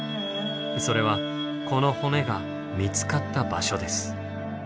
それはこの骨が見つかった場所です。